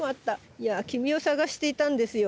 いや君を探していたんですよ。